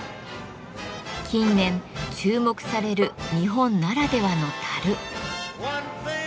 近年注目される日本ならではの樽。